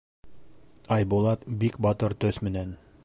Айбулат бик батыр төҫ менән: